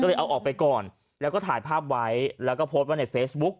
ก็เลยเอาออกไปก่อนแล้วก็ถ่ายภาพไว้แล้วก็โพสต์ไว้ในเฟซบุ๊ก